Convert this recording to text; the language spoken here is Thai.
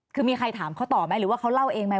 คือมีใครถามเขาต่อไหมหรือว่าเขาเล่าเองไหม